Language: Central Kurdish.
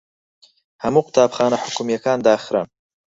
هەموو قوتابخانە حکوومییەکان داخران.